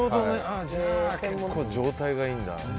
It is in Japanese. じゃあ結構、状態がいいんだ。